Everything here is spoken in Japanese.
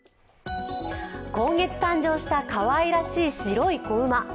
今月誕生したかわいらしい白い子馬。